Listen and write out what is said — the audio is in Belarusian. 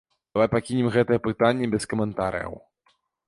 Давай пакінем гэта пытанне без каментарыяў.